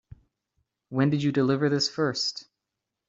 When did you deliver this first?